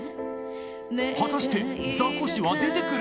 果たしてザコシは出てくる？